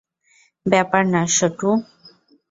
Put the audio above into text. ব্যাপার না, শুটু।